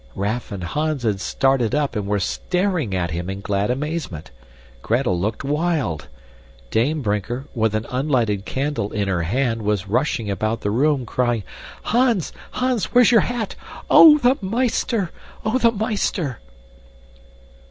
Raff and Hans had started up and were staring at him in glad amazement. Gretel looked wild. Dame Brinker, with an unlighted candle in her hand, was rushing about the room, crying, "Hans! Hans! Where's your hat? Oh, the meester! Oh the meester!"